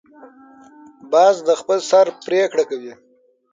باز د خپل سر پریکړه کوي